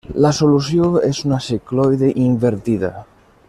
La solució és una cicloide invertida.